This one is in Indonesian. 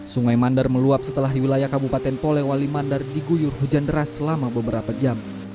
sungai mandar meluap setelah di wilayah kabupaten polewali mandar diguyur hujan deras selama beberapa jam